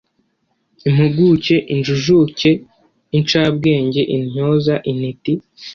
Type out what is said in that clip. impuguke injijuke, inshabwenge, intyoza, intiti